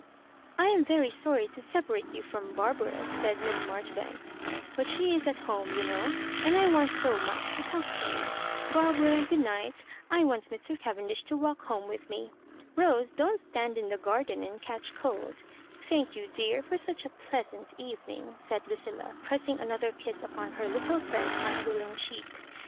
" I am very sorry to separate you firom Bar bara,*' said Miss Marjoribanks; *'but she is at home you know, and I want so much to talk to you. ' Barbara, good night; I want Mr. Caven dish to walk home with me. Rose, don't stand in the garden and catch cold ; thank you, dear, for such a pleasant evening," said Lucilla, press ing another kiss upon her little friend's unwilling cheek.